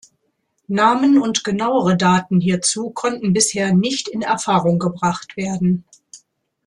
Namen und genauere Daten hierzu konnten bisher nicht in Erfahrung gebracht werden.